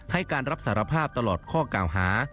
ให้การรับสารภาพตลอดข้อกล่าวหา